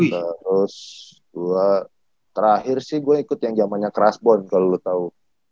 terus gua terakhir sih gua ikut yang jamannya crossbond kalo lu tau